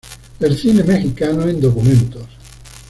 El cine mexicano en documentos.